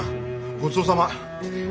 ごちそうさま！